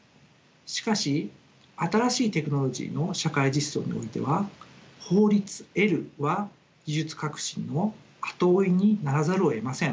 しかし新しいテクノロジーの社会実装においては法律は技術革新の後追いにならざるをえません。